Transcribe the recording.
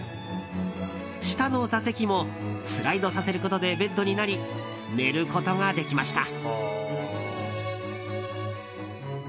下の座席もスライドさせることでベッドになり寝ることができました。